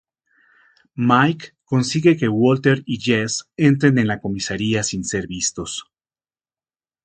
Mike consigue que Walter y Jesse entren en la comisaría sin ser vistos.